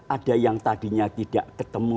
ada yang tadinya tidak ketemu